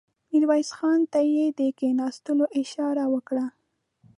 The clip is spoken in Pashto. ميرويس خان ته يې د کېناستلو اشاره وکړه.